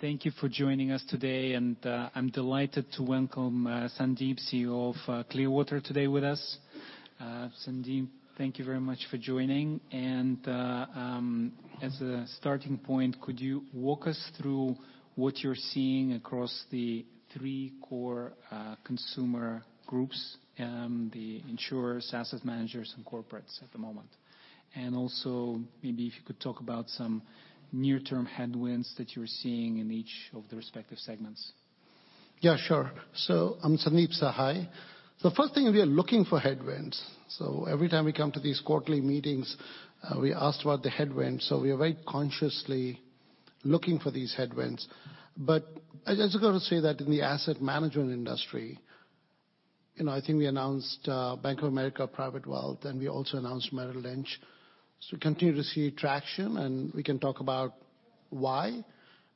Thank you for joining us today, I'm delighted to welcome Sandeep, CEO of Clearwater, today with us. Sandeep, thank you very much for joining. As a starting point, could you walk us through what you're seeing across the three core consumer groups, the insurers, asset managers, and corporates at the moment? Also, maybe if you could talk about some near-term headwinds that you're seeing in each of the respective segments? Yeah, sure. I'm Sandeep Sahai. The first thing, we are looking for headwinds, so every time we come to these quarterly meetings, we're asked about the headwinds, so we are very consciously looking for these headwinds. I just gotta say that in the asset management industry, you know, I think we announced Bank of America Private Bank, then we also announced Merrill Lynch. We continue to see traction, and we can talk about why.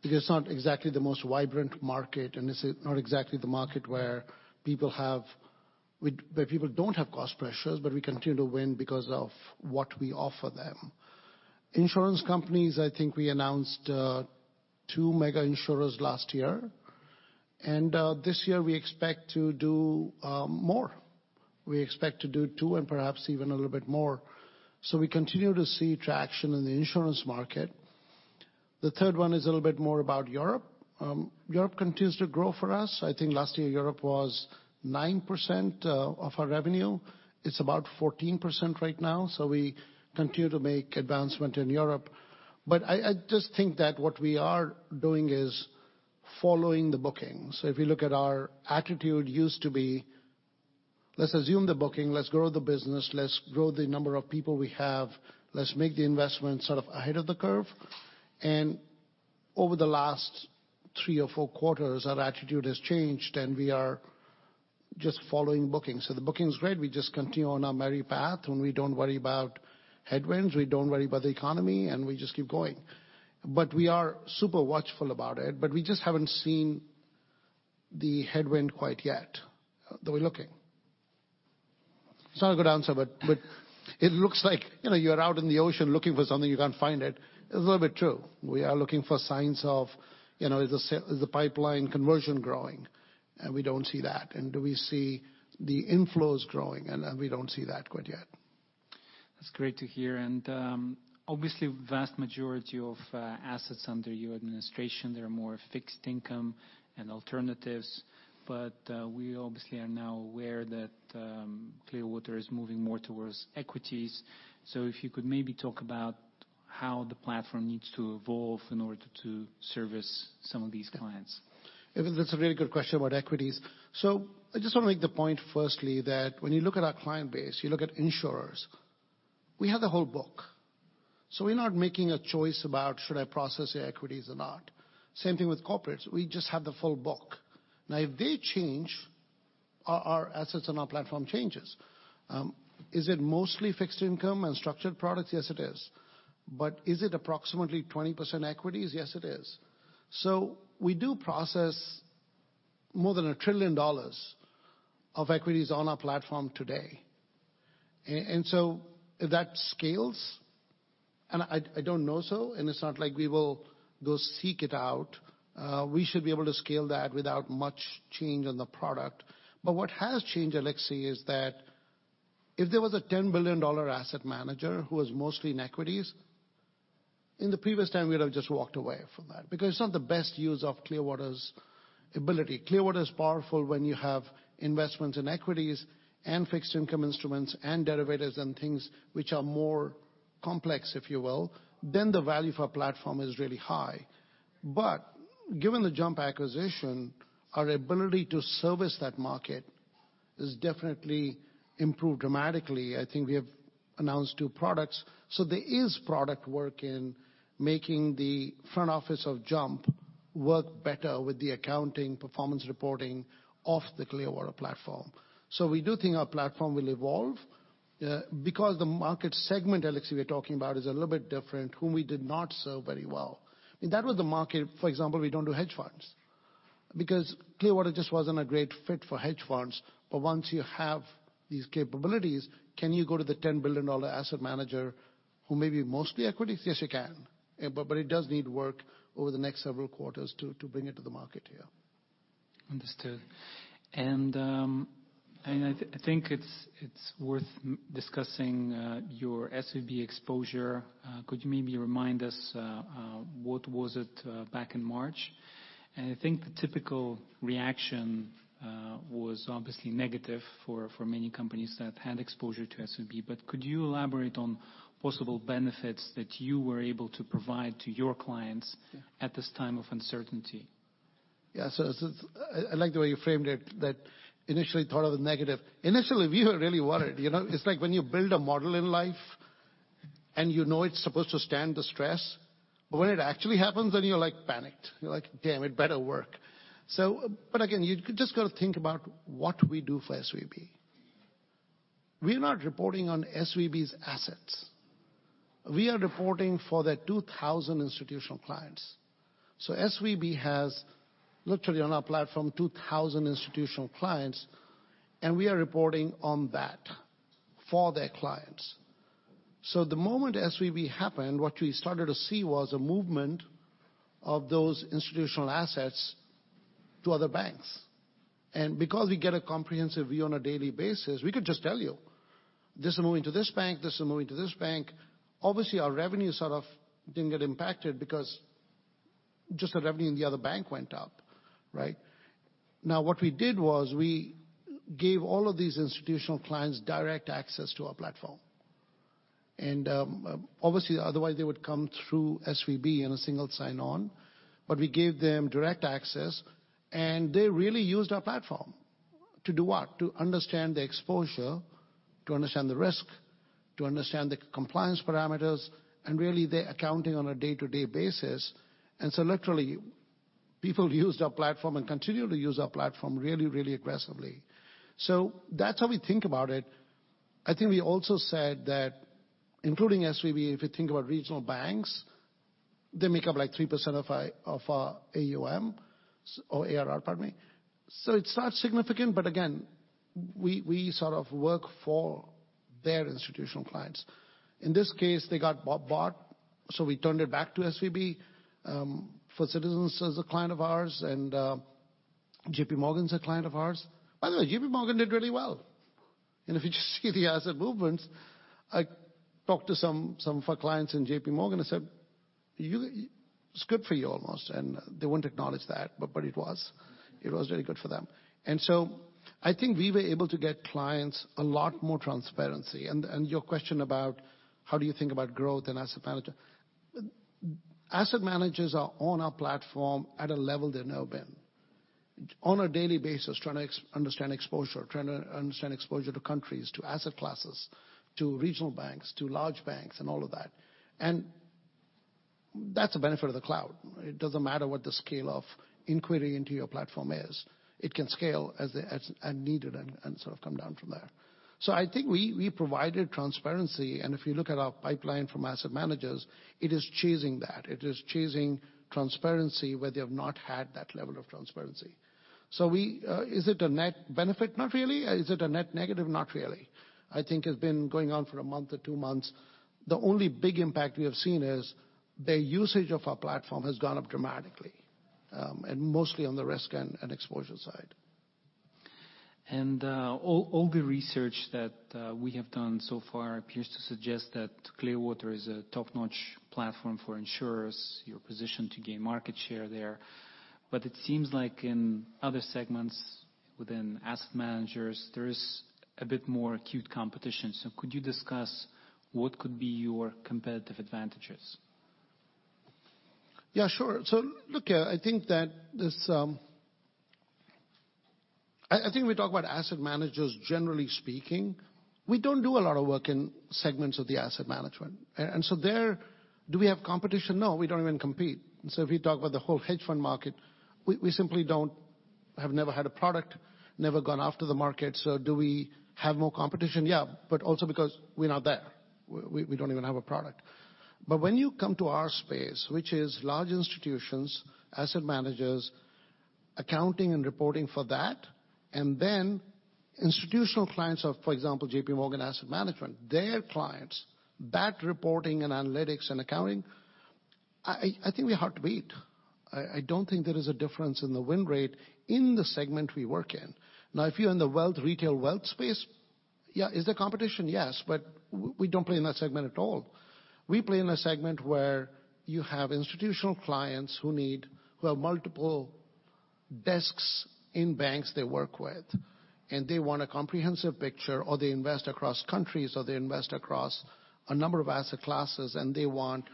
It is not exactly the most vibrant market, and it's not exactly the market where people don't have cost pressures, but we continue to win because of what we offer them. Insurance companies, I think we announced two mega insurers last year. This year we expect to do more. We expect to do two and perhaps even a little bit more. We continue to see traction in the insurance market. The third one is a little bit more about Europe. Europe continues to grow for us. I think last year Europe was 9% of our revenue. It's about 14% right now, so we continue to make advancement in Europe. I just think that what we are doing is following the bookings. If you look at our attitude used to be, let's assume the booking, let's grow the business, let's grow the number of people we have, let's make the investment sort of ahead of the curve. Over the last three or four quarters, our attitude has changed, and we are just following bookings. The booking's great. We just continue on our merry path, and we don't worry about headwinds, we don't worry about the economy, and we just keep going. We are super watchful about it, but we just haven't seen the headwind quite yet, though we're looking. It's not a good answer, but it looks like, you know, you're out in the ocean looking for something, you can't find it. It's a little bit true. We are looking for signs of, you know, is the pipeline conversion growing? We don't see that. Do we see the inflows growing? We don't see that quite yet. That's great to hear. Obviously vast majority of assets under your administration, they are more fixed income and alternatives. We obviously are now aware that Clearwater is moving more towards equities. If you could maybe talk about how the platform needs to evolve in order to service some of these clients. It's a really good question about equities. I just want to make the point firstly that when you look at our client base, you look at insurers, we have the whole book. We are not making a choice about should I process their equities or not. Same thing with corporates. We just have the full book. Now, if they change, our assets on our platform changes. Is it mostly fixed income and structured products? Yes, it is. Is it approximately 20% equities? Yes, it is. We do process more than $1 trillion of equities on our platform today. If that scales, and I don't know so, and it's not like we will go seek it out, we should be able to scale that without much change on the product. What has changed, Alexi, is that if there was a $10 billion asset manager who was mostly in equities, in the previous time we would have just walked away from that. It's not the best use of Clearwater's ability. Clearwater is powerful when you have investments in equities and fixed income instruments and derivatives and things which are more complex, if you will. The value for our platform is really high. Given the JUMP acquisition, our ability to service that market has definitely improved dramatically. I think we have announced two products. There is product work in making the front office of JUMP work better with the accounting performance reporting of the Clearwater platform. We do think our platform will evolve, because the market segment, Alexi, we're talking about is a little bit different, whom we did not serve very well. I mean, that was the market... For example, we don't do hedge funds because Clearwater just wasn't a great fit for hedge funds. Once you have these capabilities, can you go to the $10 billion asset manager who may be mostly equities? Yes, you can. It does need work over the next several quarters to bring it to the market here. Understood. I think it's worth discussing your SVB exposure. Could you maybe remind us what was it back in March? I think the typical reaction was obviously negative for many companies that had exposure to SVB. Could you elaborate on possible benefits that you were able to provide to your clients. Yeah. at this time of uncertainty? Yeah. So it's. I like the way you framed it, that initially thought of the negative. Initially, we were really worried. You know? It's like when you build a model in life, and you know it's supposed to stand the stress, but when it actually happens, then you're, like, panicked. You're like, "Damn, it better work." But again, you just gotta think about what we do for SVB. We're not reporting on SVB's assets. We are reporting for their 2,000 institutional clients. SVB has literally on our platform 2,000 institutional clients, and we are reporting on that for their clients. The moment SVB happened, what we started to see was a movement of those institutional assets to other banks. Because we get a comprehensive view on a daily basis, we could just tell you, "This is moving to this bank, this is moving to this bank." Obviously, our revenue sort of didn't get impacted because just the revenue in the other bank went up, right? Now, what we did was we gave all of these institutional clients direct access to our platform. Obviously, otherwise, they would come through SVB in a single sign-on. We gave them direct access, and they really used our platform. To do what? To understand the exposure, to understand the risk, to understand the compliance parameters, and really their accounting on a day-to-day basis. Literally, people used our platform and continue to use our platform really aggressively. That's how we think about it. I think we also said that including SVB, if you think about regional banks, they make up, like, 3% of our, of our AUM or ARR, pardon me. It's not significant, but again, we sort of work for their institutional clients. In this case, they got bought, so we turned it back to SVB. For Citizens is a client of ours and J.P. Morgan's a client of ours. By the way, J.P. Morgan did really well. If you just see the asset movements, I talked to some of our clients in J.P. Morgan and said, "It's good for you almost." They wouldn't acknowledge that, but it was. It was really good for them. I think we were able to get clients a lot more transparency. Your question about how do you think about growth and asset manager. Asset managers are on our platform at a level they've never been, on a daily basis, trying to understand exposure, trying to understand exposure to countries, to asset classes, to regional banks, to large banks, and all of that. That's a benefit of the cloud. It doesn't matter what the scale of inquiry into your platform is, it can scale as needed and sort of come down from there. I think we provided transparency, and if you look at our pipeline from asset managers, it is chasing that. It is chasing transparency where they have not had that level of transparency. We. Is it a net benefit? Not really. Is it a net negative? Not really. I think it's been going on for a month or two months. The only big impact we have seen is the usage of our platform has gone up dramatically, and mostly on the risk and exposure side. All the research that we have done so far appears to suggest that Clearwater is a top-notch platform for insurers. You're positioned to gain market share there. It seems like in other segments within asset managers, there is a bit more acute competition. Could you discuss what could be your competitive advantages? Yeah, sure. Look here, I think that this I think we talk about asset managers, generally speaking. We don't do a lot of work in segments of the asset management. There, do we have competition? No, we don't even compete. If we talk about the whole hedge fund market, we simply don't have never had a product, never gone after the market. Do we have more competition? Yeah, but also because we're not there. We don't even have a product. When you come to our space, which is large institutions, asset managers, accounting and reporting for that, and then institutional clients of, for example, J.P. Morgan Asset Management, their clients, that reporting and analytics and accounting, I think we're hard to beat. I don't think there is a difference in the win rate in the segment we work in. Now, if you're in the wealth, retail wealth space, yeah. Is there competition? Yes. We don't play in that segment at all. We play in a segment where you have institutional clients who have multiple desks in banks they work with, and they want a comprehensive picture, or they invest across countries, or they invest across a number of asset classes, and they want,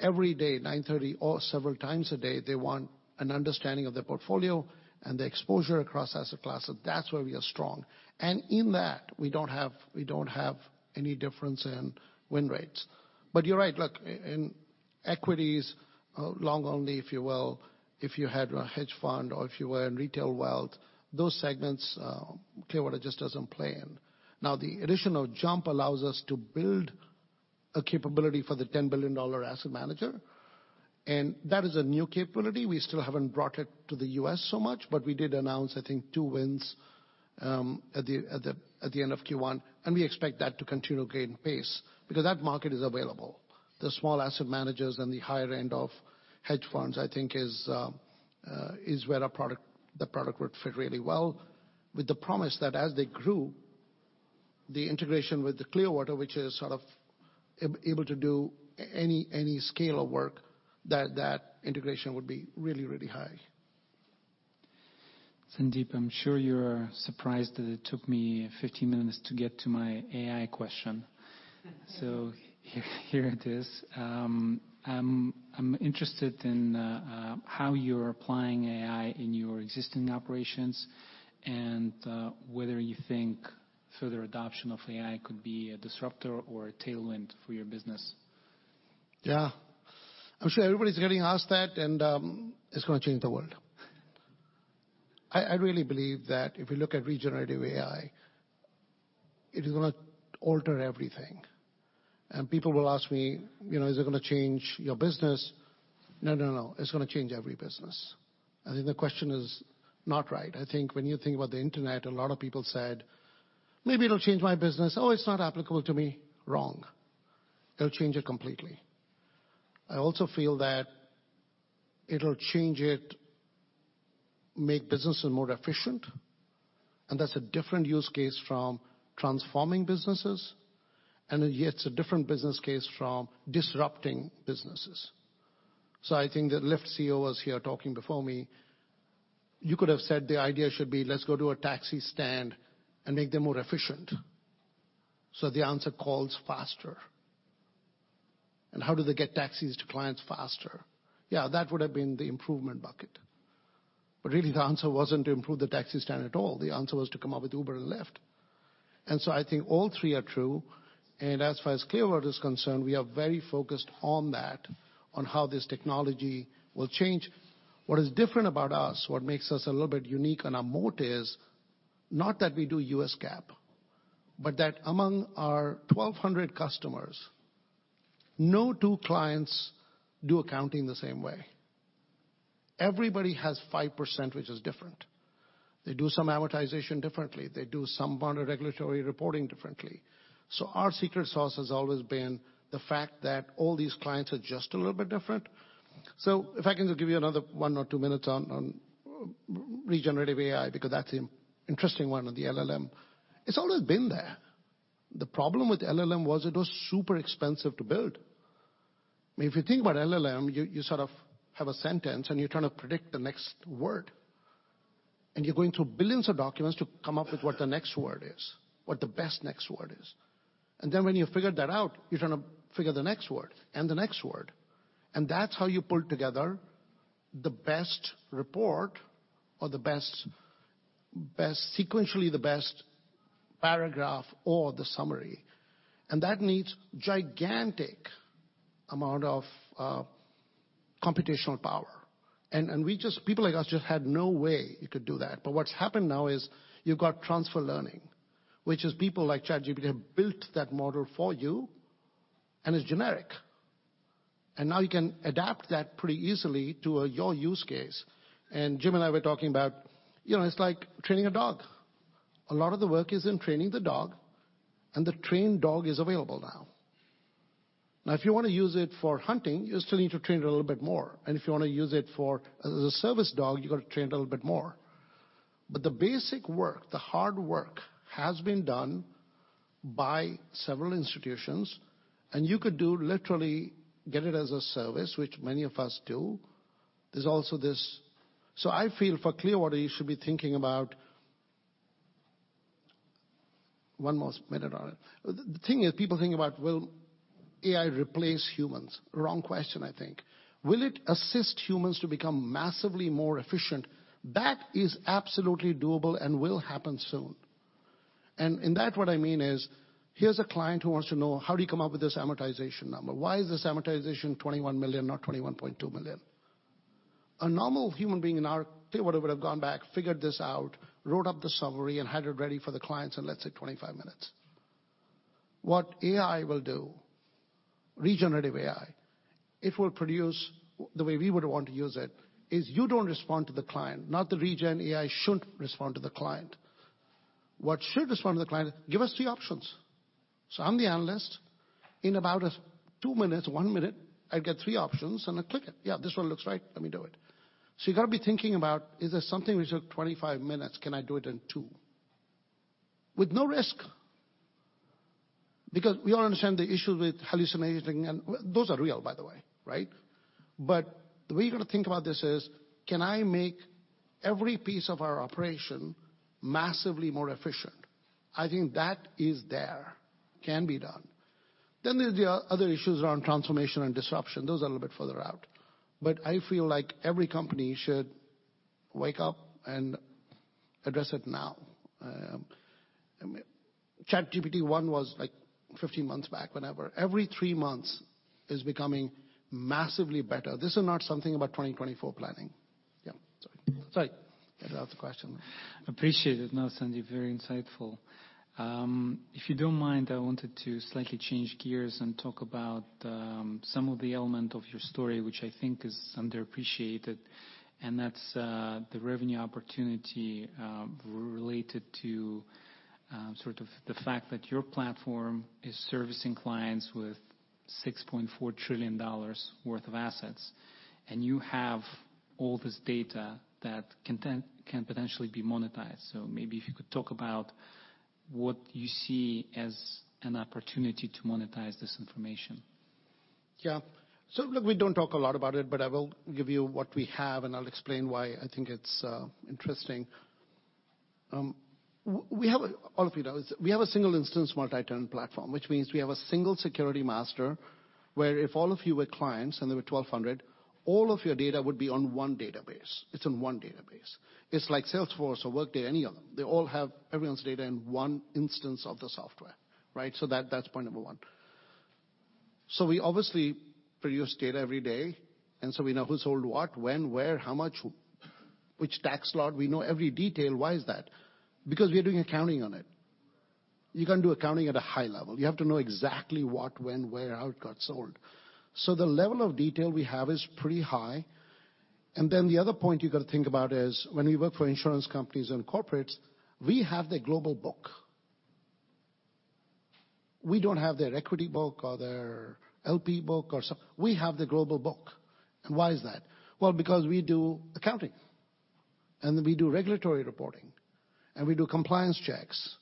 every day, 9:30 A.M., or several times a day, they want an understanding of their portfolio and the exposure across asset classes. That's where we are strong. In that, we don't have any difference in win rates. You're right. In equities, long only, if you will, if you had a hedge fund or if you were in retail wealth, those segments, Clearwater just doesn't play in. The additional JUMP allows us to build a capability for the $10 billion asset manager, and that is a new capability. We still haven't brought it to the U.S. so much, we did announce, I think, two wins at the end of Q1, we expect that to continue to gain pace because that market is available. The small asset managers and the higher end of hedge funds, I think, is where our product would fit really well. With the promise that as they grew, the integration with the Clearwater, which is sort of able to do any scale of work, that integration would be really, really high. Sandeep, I'm sure you're surprised that it took me 15 minutes to get to my AI question. Here it is. I'm interested in how you're applying AI in your existing operations and whether you think further adoption of AI could be a disruptor or a tailwind for your business. Yeah. I'm sure everybody's getting asked that and it's gonna change the world. I really believe that if you look at generative AI, it is gonna alter everything. People will ask me, "You know, is it gonna change your business?" No, no. It's gonna change every business. I think the question is not right. I think when you think about the Internet, a lot of people said, "Maybe it'll change my business. Oh, it's not applicable to me." Wrong. It'll change it completely. I also feel that it'll change it, make businesses more efficient, and that's a different use case from transforming businesses, and yet it's a different business case from disrupting businesses. I think that Lyft's CEO was here talking before me. You could have said the idea should be, let's go to a taxi stand and make them more efficient. The answer, calls faster. How do they get taxis to clients faster? Yeah, that would've been the improvement bucket. Really, the answer wasn't to improve the taxi stand at all. The answer was to come up with Uber and Lyft. I think all three are true, and as far as Clearwater is concerned, we are very focused on that, on how this technology will change. What is different about us, what makes us a little bit unique on our moat is not that we do US GAAP, but that among our 1,200 customers, no two clients do accounting the same way. Everybody has 5% different. They do some amortization differently. They do some bonded regulatory reporting differently. Our secret sauce has always been the fact that all these clients are just a little bit different. If I can just give you another one or two minutes on generative AI, because that's the interesting one on the LLM. It's always been there. The problem with LLM was it was super expensive to build. I mean, if you think about LLM, you sort of have a sentence and you're trying to predict the next word. You're going through billions of documents to come up with what the next word is, what the best next word is. Then when you figured that out, you're trying to figure the next word and the next word. That's how you pull together the best report or the best sequentially the best paragraph or the summary. That needs gigantic amount of computational power. People like us just had no way you could do that. What's happened now is you've got transfer learning, which is people like ChatGPT have built that model for you, and it's generic. Now you can adapt that pretty easily to your use case. Jim and I were talking about, you know, it's like training a dog. A lot of the work is in training the dog, and the trained dog is available now. If you wanna use it for hunting, you still need to train it a little bit more. If you wanna use it for as a service dog, you've gotta train it a little bit more. The basic work, the hard work has been done by several institutions, and you could do literally get it as a service, which many of us do. There's also this... I feel for Clearwater, you should be thinking about... One more minute on it. The thing is, people think about, well, AI replace humans. Wrong question, I think. Will it assist humans to become massively more efficient? That is absolutely doable and will happen soon. In that, what I mean is, here's a client who wants to know how do you come up with this amortization number? Why is this amortization $21 million not $21.2 million? A normal human being they would've gone back, figured this out, wrote up the summary, and had it ready for the clients in, let's say, 25 minutes. What AI will do, generative AI, it will produce the way we would want to use it, is you don't respond to the client, not the regen AI should respond to the client. What should respond to the client, give us three options. I'm the analyst. In about two minutes, one minute, I get three options and I click it. Yeah, this one looks right. Let me do it. You gotta be thinking about, is there something which took 25 minutes, can I do it in two? With no risk. Because we all understand the issue with hallucinating and... Well, those are real, by the way, right? The way you gotta think about this is, can I make every piece of our operation massively more efficient? I think that is there, can be done. There's the other issues around transformation and disruption. Those are a little bit further out. I feel like every company should wake up and address it now. ChatGPT 1 was, like, 15 months back, whenever. Every three months is becoming massively better. This is not something about 2024 planning. Yeah. Sorry. I got lots of question. Appreciate it, Nasen. You're very insightful. If you don't mind, I wanted to slightly change gears and talk about some of the element of your story, which I think is underappreciated, and that's the revenue opportunity related to sort of the fact that your platform is servicing clients with $6.4 trillion worth of assets. You have all this data that can potentially be monetized. Maybe if you could talk about what you see as an opportunity to monetize this information? Look, we don't talk a lot about it, but I will give you what we have, and I'll explain why I think it's interesting. We have. All of you know this. We have a single-instance multi-tenant platform, which means we have a single security master, where if all of you were clients, and there were 1,200, all of your data would be on one database. It's in one database. It's like Salesforce or Workday, any of them. They all have everyone's data in one instance of the software, right? That, that's point number one. We obviously produce data every day, and so we know who sold what, when, where, how much, which tax lot. We know every detail. Why is that? Because we are doing accounting on it. You can do accounting at a high level. You have to know exactly what, when, where, how it got sold. The level of detail we have is pretty high. The other point you gotta think about is when we work for insurance companies and corporates, we have their global book. We don't have their equity book or their LP book or we have the global book. Why is that? Because we do accounting, and we do regulatory reporting, and we do compliance checks.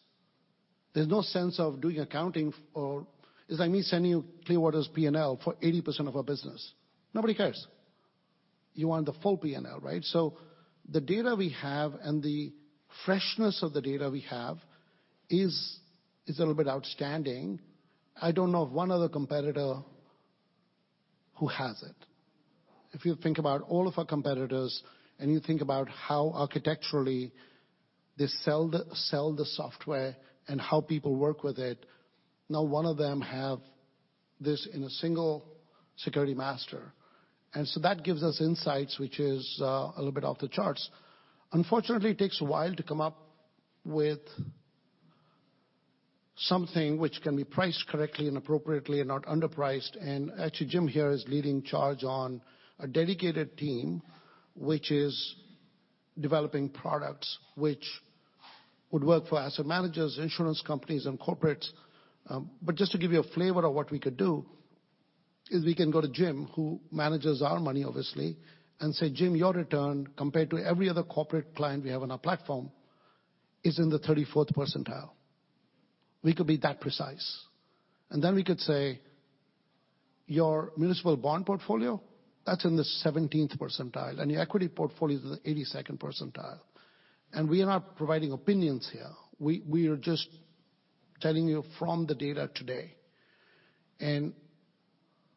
There's no sense of doing accounting for... It's like me sending you Clearwater's P&L for 80% of our business. Nobody cares. You want the full P&L, right? The data we have and the freshness of the data we have is a little bit outstanding. I don't know of one other competitor who has it. If you think about all of our competitors, you think about how architecturally they sell the software and how people work with it, not one of them have this in a single security master. That gives us insights, which is a little bit off the charts. Unfortunately, it takes a while to come up with something which can be priced correctly and appropriately and not underpriced. Actually, Jim here is leading charge on a dedicated team, which is developing products which would work for asset managers, insurance companies, and corporates. Just to give you a flavor of what we could do is we can go to Jim, who manages our money, obviously, and say, "Jim, your return compared to every other corporate client we have on our platform is in the 34th percentile." We could be that precise. Then we could say, "Your municipal bond portfolio, that's in the 17th percentile, and your equity portfolio is in the 82nd percentile." We are not providing opinions here. We are just telling you from the data today.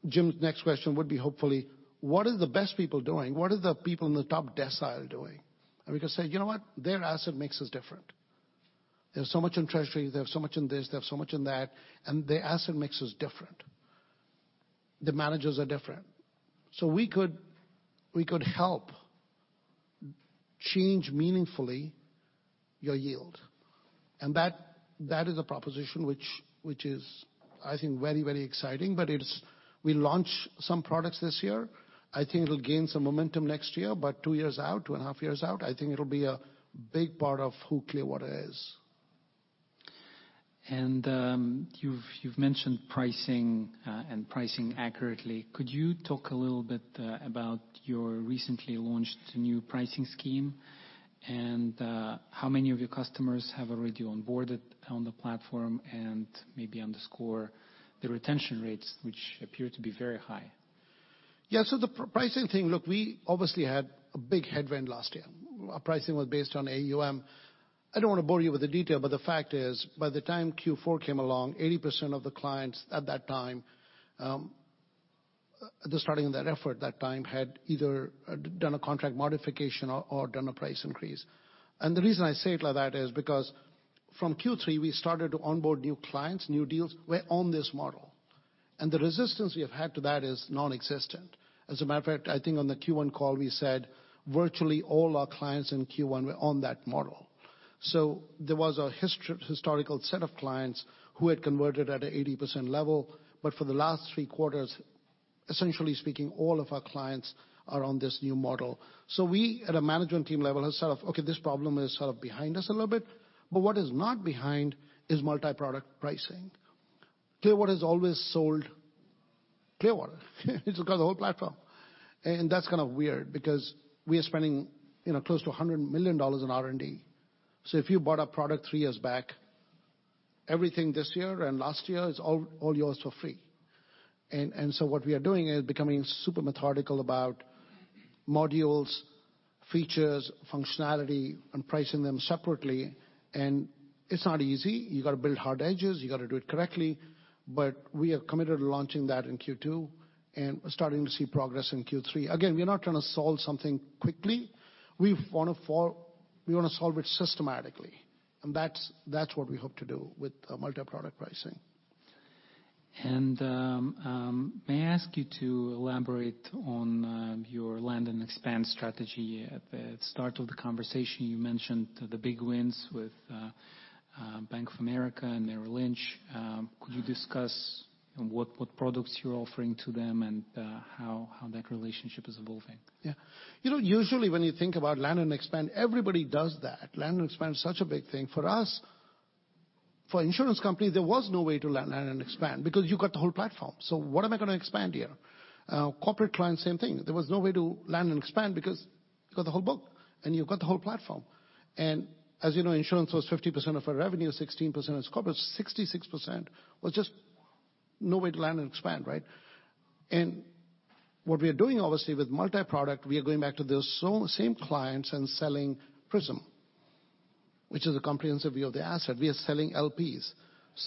Jim's next question would be, hopefully, "What are the best people doing? What are the people in the top decile doing?" We could say, "You know what? Their asset mix is different." There's so much in Treasury, there's so much in this, there's so much in that, and their asset mix is different. The managers are different. We could help change meaningfully your yield. That is a proposition which is, I think, very, very exciting. It's. We launch some products this year. I think it'll gain some momentum next year. Two years out, two and a half years out, I think it'll be a big part of who Clearwater is. You've mentioned pricing and pricing accurately. Could you talk a little bit about your recently launched new pricing scheme? How many of your customers have already onboarded on the platform? Maybe underscore the retention rates, which appear to be very high. The pricing thing, look, we obviously had a big headwind last year. Our pricing was based on AUM. I don't wanna bore you with the detail, but the fact is, by the time Q4 came along, 80% of the clients at that time, the starting that effort that time, had either done a contract modification or done a price increase. The reason I say it like that is because from Q3, we started to onboard new clients, new deals, were on this model, and the resistance we have had to that is nonexistent. As a matter of fact, I think on the Q1 call, we said virtually all our clients in Q1 were on that model. There was a historical set of clients who had converted at a 80% level, but for the last three quarters, essentially speaking, all of our clients are on this new model. We, at a management team level, have said, "Okay, this problem is sort of behind us a little bit." What is not behind is multiproduct pricing. Clearwater has always sold Clearwater. It's across the whole platform. That's kind of weird because we are spending, you know, close to $100 million in R&D. If you bought our product three years back, everything this year and last year is all yours for free. What we are doing is becoming super methodical about modules, features, functionality, and pricing them separately. It's not easy. You gotta build hard edges. You gotta do it correctly. We are committed to launching that in Q2 and starting to see progress in Q3. Again, we're not trying to solve something quickly. We wanna solve it systematically. That's what we hope to do with multiproduct pricing. May I ask you to elaborate on your land and expand strategy? At the start of the conversation, you mentioned the big wins with Bank of America and Merrill Lynch. Could you discuss what products you're offering to them and how that relationship is evolving? You know, usually when you think about land and expand, everybody does that. Land and expand is such a big thing. For us, for insurance company, there was no way to land and expand because you got the whole platform. What am I gonna expand here? Corporate clients, same thing. There was no way to land and expand because you got the whole book and you've got the whole platform. As you know, insurance was 50% of our revenue, 16% is corporate. 66% was just no way to land and expand, right? What we are doing, obviously, with multiproduct, we are going back to those same clients and selling PRISM, which is a comprehensive view of the asset. We are selling LPs.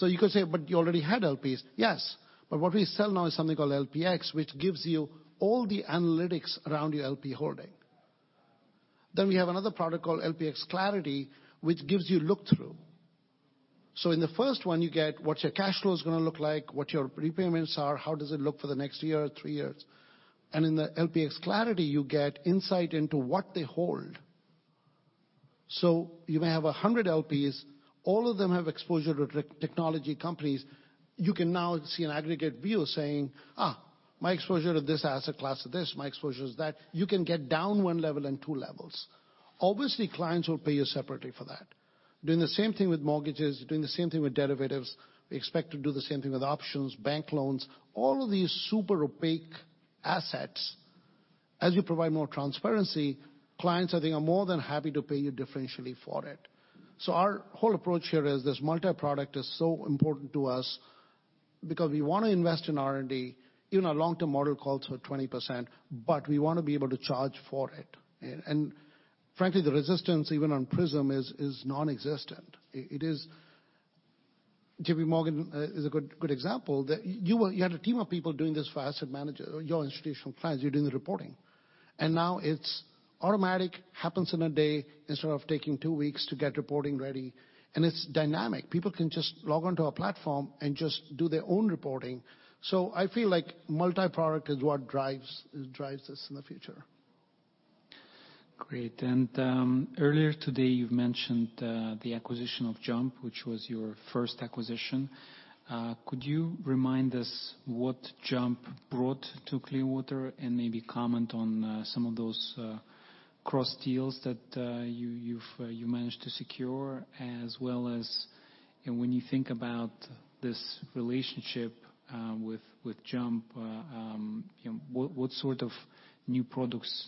You could say, "You already had LPs." Yes, what we sell now is something called LPx, which gives you all the analytics around your LP holding. We have another product called LPx Clarity, which gives you look-through. In the first one, you get what your cash flow is gonna look like, what your prepayments are, how does it look for the next year or three years. In the LPx Clarity, you get insight into what they hold. You may have 100 LPs, all of them have exposure to technology companies. You can now see an aggregate view saying, "My exposure to this asset class is this, my exposure is that." You can get down one level and two levels. Obviously, clients will pay you separately for that. Doing the same thing with mortgages, doing the same thing with derivatives. We expect to do the same thing with options, bank loans. All of these super opaque assets, as you provide more transparency, clients I think are more than happy to pay you differentially for it. Our whole approach here is this multi-product is so important to us because we wanna invest in R&D, even our long-term model calls for 20%, but we wanna be able to charge for it. Frankly, the resistance even on PRISM is nonexistent. JPMorgan is a good example that you had a team of people doing this for asset manager or your institutional clients, you're doing the reporting. Now it's automatic, happens in a day instead of taking two weeks to get reporting ready, and it's dynamic. People can just log on to a platform and just do their own reporting. I feel like multi-product is what drives this in the future. Great. Earlier today you've mentioned the acquisition of JUMP, which was your first acquisition. Could you remind us what JUMP brought to Clearwater and maybe comment on some of those cross deals that you've managed to secure? As well as, you know, when you think about this relationship with JUMP, you know, what sort of new products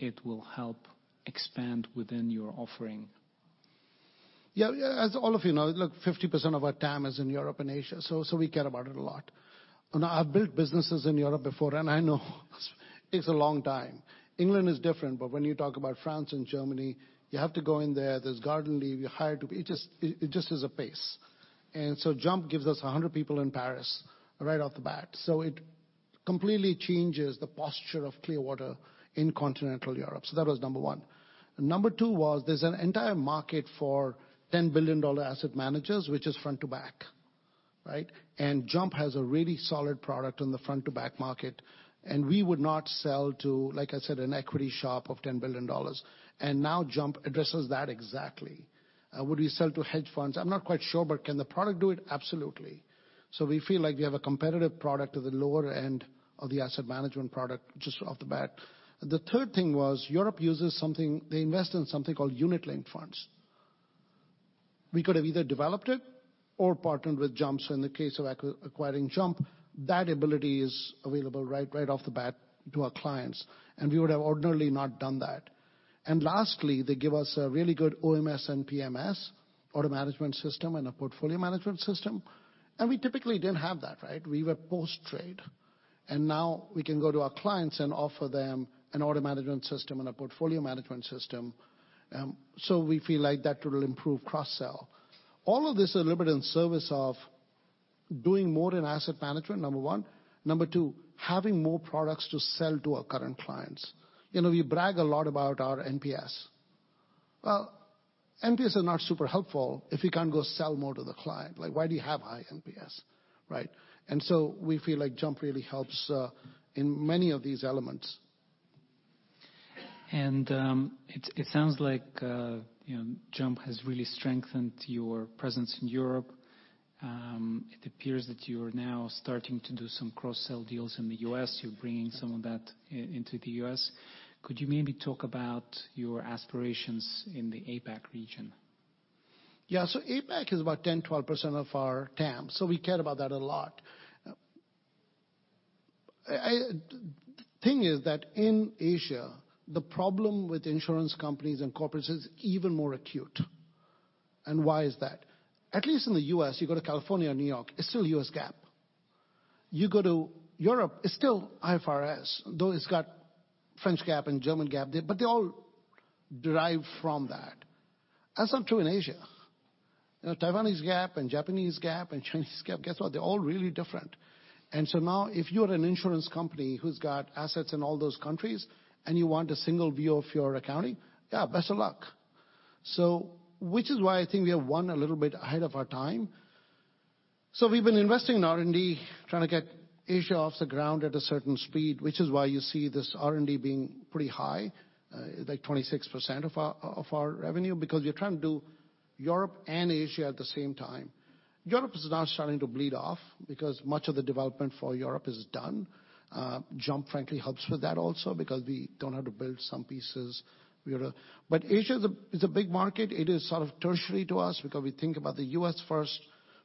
it will help expand within your offering? Yeah, as all of you know, look, 50% of our TAM is in Europe and Asia. We care about it a lot. I've built businesses in Europe before, and I know it takes a long time. When you talk about France and Germany, you have to go in there. There's garden leave, you're hired to be. It just is a pace. JUMP gives us 100 people in Paris right off the bat. It completely changes the posture of Clearwater in continental Europe. That was number one. Number two was there's an entire market for $10 billion asset managers, which is front to back, right? JUMP has a really solid product in the front to back market. We would not sell to, like I said, an equity shop of $10 billion. Now JUMP addresses that exactly. Would we sell to hedge funds? I'm not quite sure. Can the product do it? Absolutely. We feel like we have a competitive product at the lower end of the asset management product just off the bat. The third thing was Europe uses something they invest in something called unit-linked funds. We could have either developed it or partnered with JUMP. In the case of acquiring JUMP, that ability is available right off the bat to our clients, and we would have ordinarily not done that. Lastly, they give us a really good OMS and PMS, order management system and a portfolio management system. We typically didn't have that, right? We were post-trade. Now we can go to our clients and offer them an order management system and a portfolio management system. We feel like that will improve cross-sell. All of this a little bit in service of doing more in asset management, number one. Number two, having more products to sell to our current clients. You know, we brag a lot about our NPS. NPS are not super helpful if you can't go sell more to the client. Like, why do you have high NPS, right? We feel like JUMP really helps in many of these elements. It sounds like, you know, JUMP has really strengthened your presence in Europe. It appears that you're now starting to do some cross-sell deals in the U.S., you're bringing some of that into the U.S. Could you maybe talk about your aspirations in the APAC region? APAC is about 10-12% of our TAM. We care about that a lot. The thing is that in Asia, the problem with insurance companies and corporates is even more acute. Why is that? At least in the U.S., you go to California or New York, it's still U.S. GAAP. You go to Europe, it's still IFRS, though it's got French GAAP and German GAAP. They all derive from that. That's not true in Asia. You know, Taiwanese GAAP and Japanese GAAP and Chinese GAAP, guess what? They're all really different. Now if you're an insurance company who's got assets in all those countries and you want a single view of your accounting, yeah, best of luck. Which is why I think we are one, a little bit ahead of our time. We've been investing in R&D, trying to get Asia off the ground at a certain speed, which is why you see this R&D being pretty high, like 26% of our revenue, because we are trying to do Europe and Asia at the same time. Europe is now starting to bleed off because much of the development for Europe is done. JUMP frankly helps with that also because we don't have to build some pieces we were. Asia is a big market. It is sort of tertiary to us because we think about the U.S. first.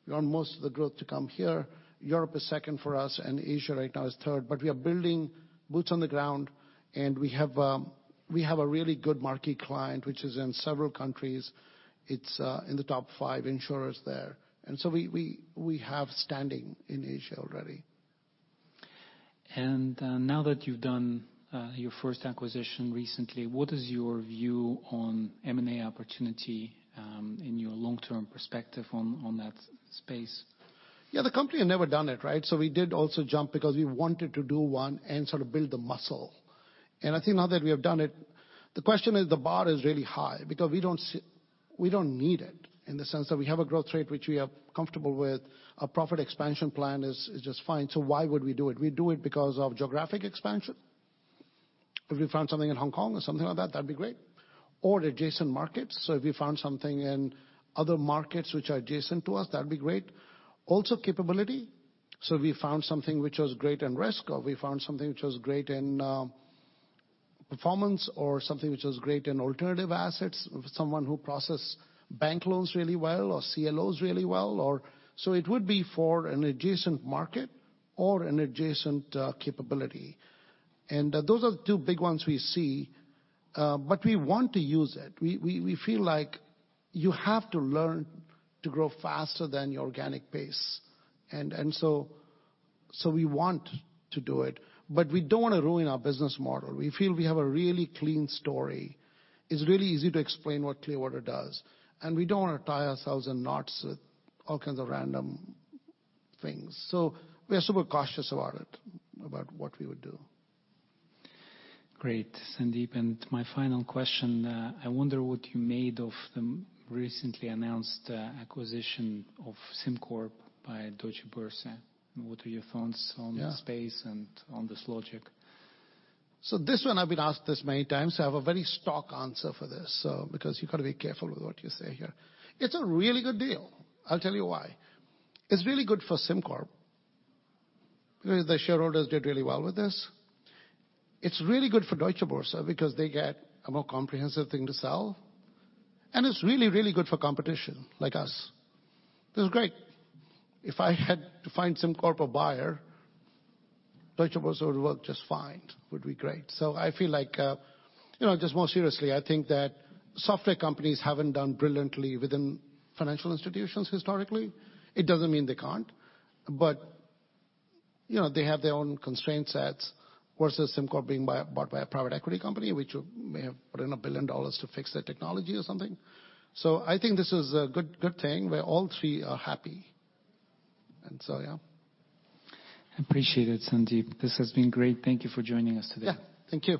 We want most of the growth to come here. Europe is second for us, Asia right now is third. We are building boots on the ground, we have a really good marquee client, which is in several countries. It's in the top five insurers there. We have standing in Asia already. Now that you've done, your first acquisition recently, what is your view on M&A opportunity, in your long-term perspective on that space? The company had never done it, right? We did also JUMP because we wanted to do one and sort of build the muscle. I think now that we have done it, the question is the bar is really high because we don't need it in the sense that we have a growth rate which we are comfortable with. Our profit expansion plan is just fine, why would we do it? We'd do it because of geographic expansion. If we found something in Hong Kong or something like that'd be great. Adjacent markets. If we found something in other markets which are adjacent to us, that'd be great. Also, capability. We found something which was great in risk, or we found something which was great in performance or something which was great in alternative assets, with someone who process bank loans really well or CLOs really well or... It would be for an adjacent market or an adjacent capability. Those are the two big ones we see, but we want to use it. We feel like you have to learn to grow faster than your organic pace. We want to do it, but we don't wanna ruin our business model. We feel we have a really clean story. It's really easy to explain what Clearwater does, and we don't wanna tie ourselves in knots with all kinds of random things. We are super cautious about it, about what we would do. Great, Sandeep. My final question, I wonder what you made of the recently announced acquisition of SimCorp by Deutsche Börse. What are your thoughts? Yeah ...the space and on this logic? This one, I've been asked this many times, so I have a very stock answer for this, because you've gotta be careful with what you say here. It's a really good deal. I'll tell you why. It's really good for SimCorp. The shareholders did really well with this. It's really good for Deutsche Börse because they get a more comprehensive thing to sell. It's really, really good for competition, like us. This is great. If I had to find SimCorp a buyer, Deutsche Börse would work just fine. Would be great. I feel like, you know, just more seriously, I think that software companies haven't done brilliantly within financial institutions historically. It doesn't mean they can't, but, you know, they have their own constraint sets versus SimCorp being bought by a private equity company, which may have put in $1 billion to fix their technology or something. I think this is a good thing, where all three are happy. Yeah. Appreciate it, Sandeep. This has been great. Thank you for joining us today. Yeah. Thank you.